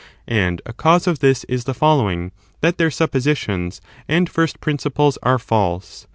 And a cause of this is the following, that their j^ Theincon suppositions and first principles are false.